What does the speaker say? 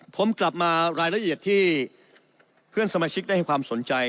ผมกลับมารายละเอียดที่เพื่อนสมาชิกได้ให้ความสนใจ